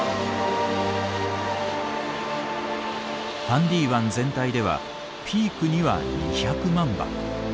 ファンディ湾全体ではピークには２００万羽。